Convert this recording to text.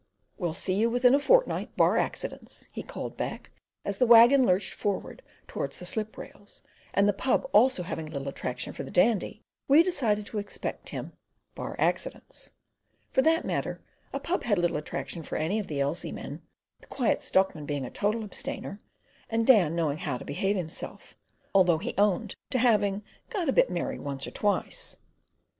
"You'll see me within a fortnight, bar accidents" he called back, as the waggon lurched forward towards the slip rails; and the pub also having little attraction for the Dandy, we decided to expect him, "bar accidents." For that matter, a pub had little attraction for any of the Elsey men, the Quiet Stockman being a total abstainer, and Dan knowing "how to behave himself," although he owned to having "got a bit merry once or twice."